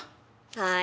はい。